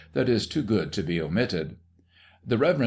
that is too good to be omitted :" The Rev. Mr.